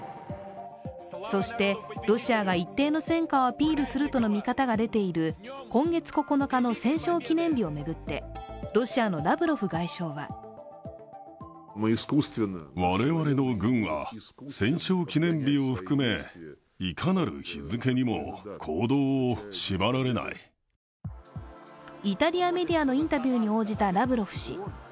そして、ロシアが一定の戦果をアピールするとの見方が出ている今月９日の戦勝記念日を巡って、ロシアのラブロフ外相はイタリアメディアのインタビューに応じたラブロフ氏。